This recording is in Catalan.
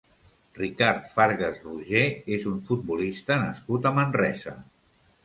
Ricard Fargas Roger és un futbolista nascut a Manresa.